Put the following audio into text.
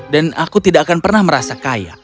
dan aku tidak akan pernah merasa kaya